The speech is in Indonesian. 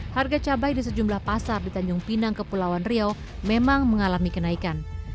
harga cabai di sejumlah pasar di tanjung pinang kepulauan riau memang mengalami kenaikan